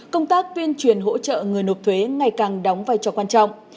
công tác tuyên truyền hỗ trợ người nộp thuế ngày càng đóng vai trò quan trọng